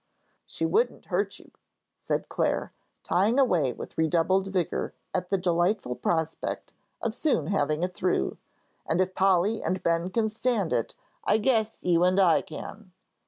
"She wouldn't hurt you," said Clare, tying away with redoubled vigor at the delightful prospect of soon having it through; "and if Polly and Ben can stand it, I guess you and I can."